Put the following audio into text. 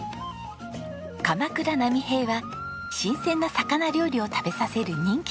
鎌倉波平は新鮮な魚料理を食べさせる人気店。